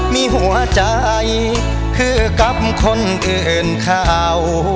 มีหัวใจคือกับคนอื่นเขา